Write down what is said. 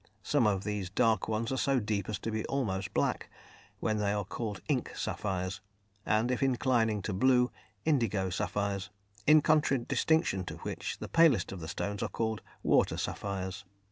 Some of these dark ones are so deep as to be almost black, when they are called "ink" sapphires, and if inclining to blue, "indigo" sapphires, in contradistinction to which the palest of the stones are called "water" sapphires.